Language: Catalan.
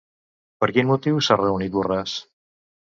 Per quin motiu s'ha reunit Borràs?